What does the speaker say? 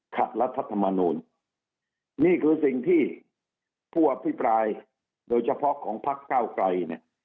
ขัดรัฐธรรมนูลนี่คือสิ่งที่พวกพี่ปลายโดยเฉพาะของภาคเก้าไกรน่ะ